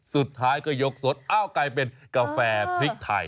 สุดท้ายก็ยกสดอ้าวกลายเป็นกาแฟพริกไทย